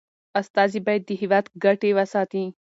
استازي باید د هیواد ګټي وساتي.